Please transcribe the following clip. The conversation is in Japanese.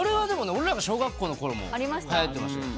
俺らが小学校の頃もはやってました。